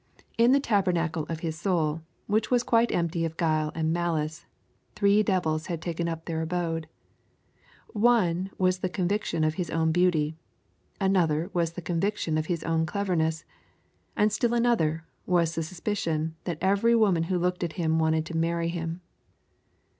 In the tabernacle of his soul, which was quite empty of guile and malice, three devils had taken up their abode: one was the conviction of his own beauty, another was the conviction of his own cleverness, and still another was the suspicion that every woman who looked at him wanted to marry him.